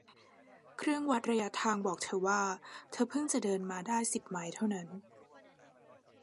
เครื่องวัดระยะทางบอกเธอว่าเธอพึ่งจะเดินทางมาได้สิบไมล์เท่านั้น